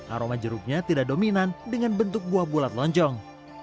aroma jeruknya tidak dominan dengan bentuk buah bulat lonjong